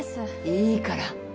いいから。